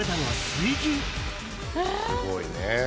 すごいね。